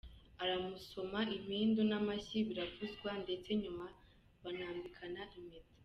aramusomo impindu namashyi biravuzwa ndetse nyuma banambikana impeta.